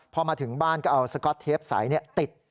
พอมาถึงบ้านก็เอาสก๊อตเทปใสติด